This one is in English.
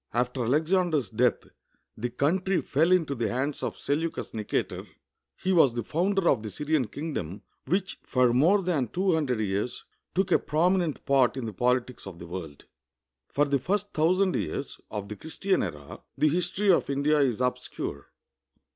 After Alexander's death the countr}^ fell into the hands of Seleucus Xicator. He was the founder of the SvTian kingdom, which for more than two hundred years took a prominent part in the pohtics of the world. For the first thousand \'ears of the Christian era, the his tor} of India is obscure.